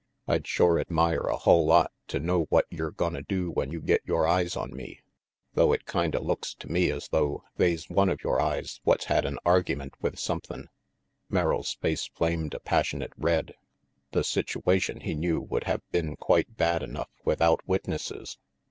"I'd shore admire a hull lot to know what yer gonna do when you get yore eyes on me, though it kinda looks to me as though they's one of yore eyes what's had an argyment with sum thin'. 5 Merrill's face flamed a passionate red. The situation, he knew, would have been quite bad enough without witnesses.